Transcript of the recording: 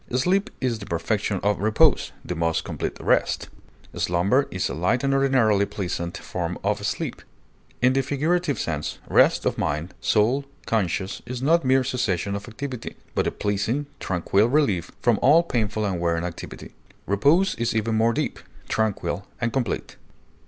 Sleep is the perfection of repose, the most complete rest; slumber is a light and ordinarily pleasant form of sleep. In the figurative sense, rest of mind, soul, conscience, is not mere cessation of activity, but a pleasing, tranquil relief from all painful and wearying activity; repose is even more deep, tranquil, and complete.